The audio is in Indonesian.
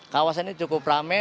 kawasan ini cukup rame